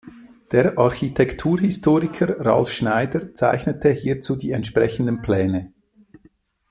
Der Architekturhistoriker Ralf Schneider zeichnete hierzu die entsprechenden Pläne.